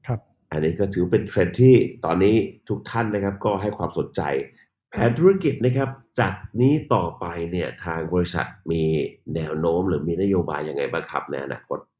อันนี้ก็ถือเป็นเทรนด์ที่ตอนนี้ทุกท่านนะครับก็ให้ความสนใจแผนธุรกิจนะครับจากนี้ต่อไปเนี่ยทางบริษัทมีแนวโน้มหรือมีนโยบายยังไงบ้างครับในอนาคต